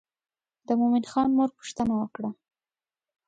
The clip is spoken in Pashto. د مومن خان مور پوښتنه وکړه.